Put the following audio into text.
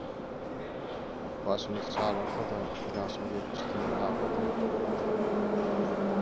Başymyz çalarsa-da, ýaşymyz ýetmişden agsa-da…